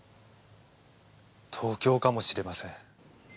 東京かもしれません。